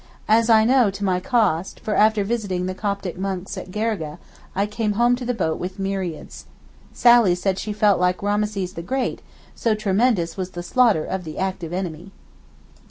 as I know to my cost, for after visiting the Coptic monks at Girgeh I came home to the boat with myriads. Sally said she felt like Rameses the Great, so tremendous was the slaughter of the active enemy.